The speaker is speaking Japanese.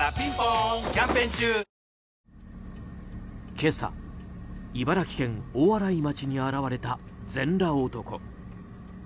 今朝、茨城県大洗町に現れた全裸男。